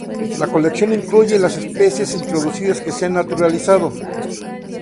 La colección incluye las especies introducidas que se han naturalizado.